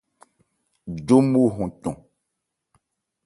Jómo hɔn cɔn.